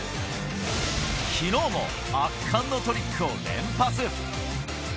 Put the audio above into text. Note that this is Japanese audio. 昨日も圧巻のトリックを連発。